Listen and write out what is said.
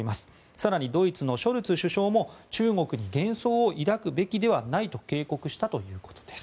更にドイツのショルツ首相も中国に幻想を抱くべきではないと警告したということです。